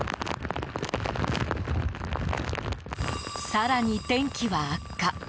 更に、天気は悪化。